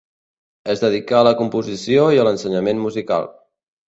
Es dedicà a la composició i a l'ensenyament musical.